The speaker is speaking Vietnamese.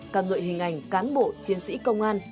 ca ngợi hình ảnh cán bộ chiến sĩ công an